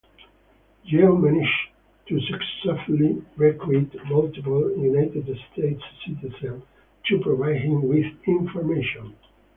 Yeo managed to successfully recruit multiple United States citizens to provide him with information.